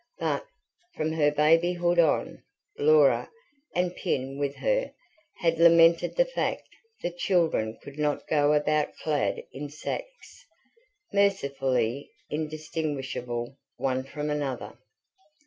But, from her babyhood on, Laura and Pin with her had lamented the fact that children could not go about clad in sacks, mercifully indistinguishable one from another.